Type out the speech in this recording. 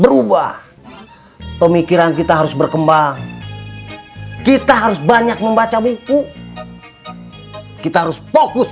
berubah pemikiran kita harus berkembang kita harus banyak membaca buku kita harus fokus